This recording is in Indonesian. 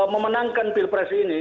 memenangkan pilpres ini